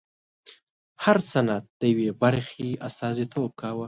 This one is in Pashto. هر سند د یوې برخې استازیتوب کاوه.